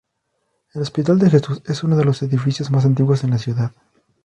El hospital de Jesús es uno de los edificios más antiguos en la ciudad.